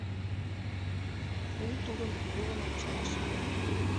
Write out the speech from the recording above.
Шӱм тулын йӱлымым чараш